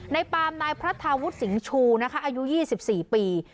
นายปาล์มนายพระธาวุฒิสิงษูอายุ๒๔ปี